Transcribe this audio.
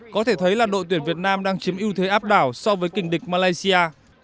có thể thấy là đội tuyển việt nam đang chiếm ưu thế áp đảo so với kỳnh địch malaysia